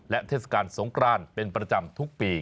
และเทศกาลสงครานเป็นประจำทุกปี